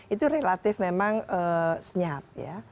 itu relatif memang senyap ya